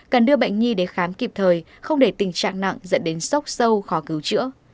cần đưa bệnh nhi đến khám kịp thời không để tình trạng nặng dẫn đến sốc sâu khó cứu chữa